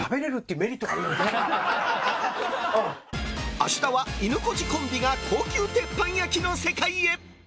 明日は、いぬこじコンビが高級鉄板焼きの世界へ。